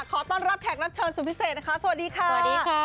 ขอต้อนรับแขกรับเชิญสุดพิเศษนะคะสวัสดีค่ะสวัสดีค่ะ